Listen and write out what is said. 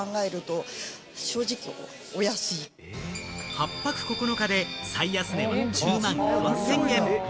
８泊９日で最安値は１０万４０００円。